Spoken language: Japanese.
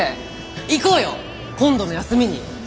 行こうよ今度の休みに。